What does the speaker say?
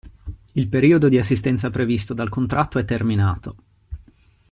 Il periodo di assistenza previsto dal contratto è terminato.